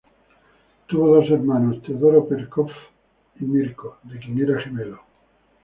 Tuvo dos hermanos: Teodoro Petkoff y Mirko de quien era gemelo.